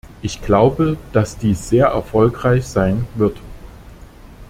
Ich glaube, dass dies sehr erfolgreich sein wird.